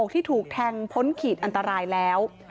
ที่ถูกแทงพ้นขีดอันตรายแล้ว